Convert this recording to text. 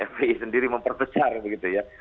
fpi sendiri memperbesar begitu ya